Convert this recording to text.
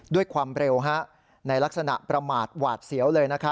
ด้วยความเร็วในลักษณะประมาทหวาดเสียวเลย